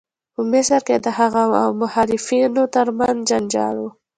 په مصر کې د هغه او مخالفانو تر منځ جنجال و.